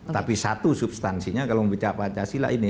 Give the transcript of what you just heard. tapi satu substansinya kalau memecah pancasila ini